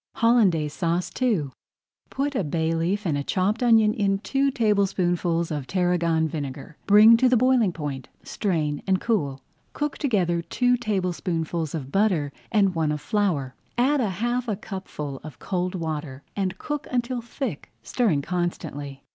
HOLLANDAISE SAUCE II Put a bay leaf and a chopped onion in two tablespoonfuls of tarragon vinegar, bring to the [Page 26] boiling point, strain and cool. Cook together two tablespoonfuls of butter and one of flour, add a half cupful of cold water, and cook until thick, stirring constantly.